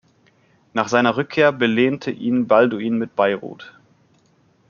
Nach seiner Rückkehr belehnte ihn Balduin mit Beirut.